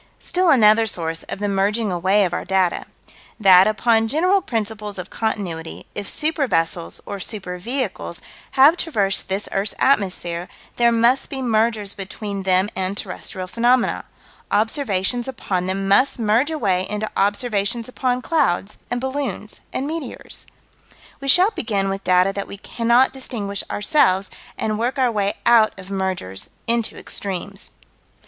Still another source of the merging away of our data: That, upon general principles of Continuity, if super vessels, or super vehicles, have traversed this earth's atmosphere, there must be mergers between them and terrestrial phenomena: observations upon them must merge away into observations upon clouds and balloons and meteors. We shall begin with data that we cannot distinguish ourselves and work our way out of mergers into extremes.